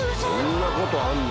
そんなことあんの？